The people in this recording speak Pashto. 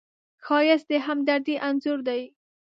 ښایست د همدردۍ انځور دی